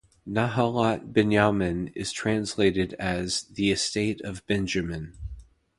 Nahalat Binyamin is translated as "the estate of Benjamin".